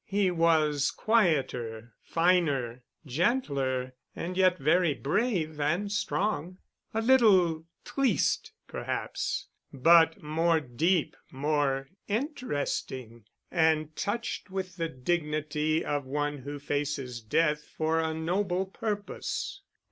He was quieter, finer, gentler and yet very brave and strong. A little triste, perhaps, but more deep, more interesting, and touched with the dignity of one who faces death for a noble purpose.